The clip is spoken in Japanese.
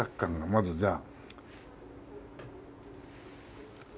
まずじゃあ。